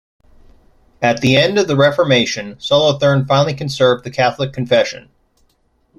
At the end of the Reformation, Solothurn finally conserved the Catholic confession.